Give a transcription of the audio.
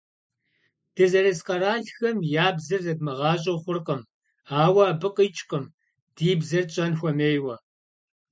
Дызэрыс къэралхэм я бзэр зэдмыгъащӏэу хъуркъым, ауэ абы къикӏкъым ди бзэр тщӏэн хуэмейуэ.